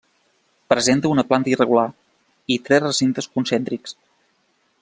Presenta una planta irregular i tres recintes concèntrics.